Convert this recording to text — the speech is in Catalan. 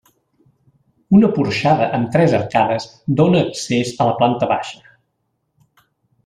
Una porxada amb tres arcades dóna accés a la planta baixa.